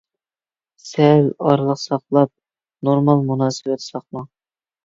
سەل ئارىلىق ساقلاپ، نورمال مۇناسىۋەت ساقلاڭ.